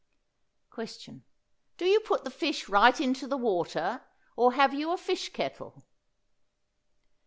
Question. Do you put the fish right into the water, or have you a fish kettle?